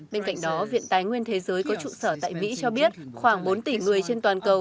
bên cạnh đó viện tài nguyên thế giới có trụ sở tại mỹ cho biết khoảng bốn tỷ người trên toàn cầu